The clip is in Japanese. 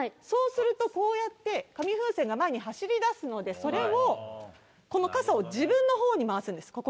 そうするとこうやって紙風船が前に走りだすのでそれをこの傘を自分のほうに回すんです。